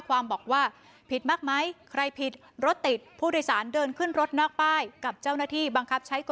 ถ้าเขารายงานพวกนู้นแล้วพวกนู้นจะเอาไหนไปจ่าย